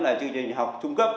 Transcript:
là chương trình học trung cấp